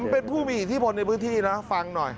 เป็นผู้มีอิทธิพลในพื้นที่นะฟังหน่อย